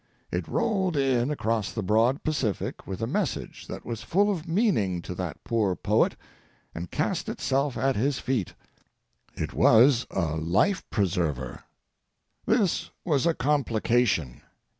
It rolled in across the broad Pacific with a message that was full of meaning to that poor poet and cast itself at his feet. It was a life preserver! This was a complication.